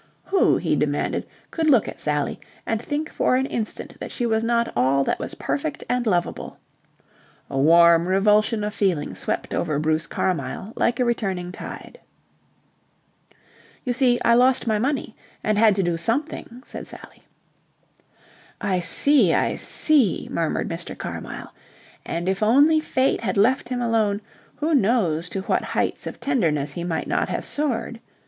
Who, he demanded, could look at Sally and think for an instant that she was not all that was perfect and lovable? A warm revulsion of feeling swept over Bruce Carmyle like a returning tide. "You see, I lost my money and had to do something," said Sally. "I see, I see," murmured Mr. Carmyle; and if only Fate had left him alone who knows to what heights of tenderness he might not have soared?